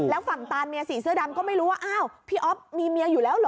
แล้วฝั่งตานเมียสีเสื้อดำก็ไม่รู้ว่าอ้าวพี่อ๊อฟมีเมียอยู่แล้วเหรอ